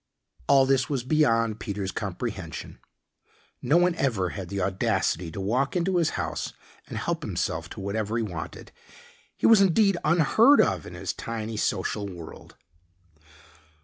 All this was beyond Peter's comprehension. No one ever had the audacity to walk into his house and help himself to whatever he wanted he was indeed unheard of in his tiny social world.